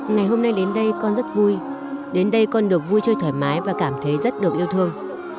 ngày hôm nay đến đây con rất vui đến đây con được vui chơi thoải mái và cảm thấy rất được yêu thương